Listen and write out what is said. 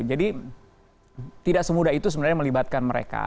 jadi tidak semudah itu sebenarnya melibatkan mereka